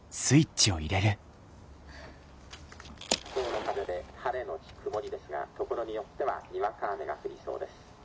「の風で晴れのち曇りですがところによってはにわか雨が降りそうです。